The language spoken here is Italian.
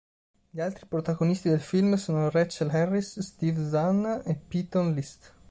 Gli altri protagonisti del film sono Rachael Harris, Steve Zahn, e Peyton List.